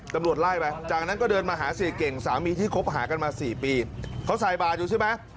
ตำรวจไล่ไปจากนั้นก็เดินมาหาเสียเก่งสามีที่คบหากันมาสี่ปีเขาใส่บาทอยู่ใช่ไหม